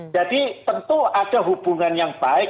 jadi tentu ada hubungan yang baik